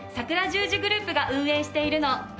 十字グループが運営しているの。